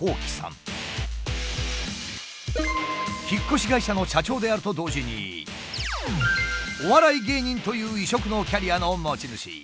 引っ越し会社の社長であると同時にお笑い芸人という異色のキャリアの持ち主。